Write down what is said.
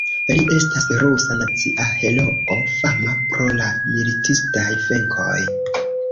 Li estas rusa nacia heroo, fama pro la militistaj venkoj.